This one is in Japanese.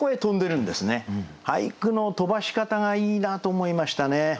俳句の飛ばし方がいいなと思いましたね。